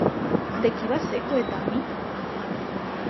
De qui va ser coetani?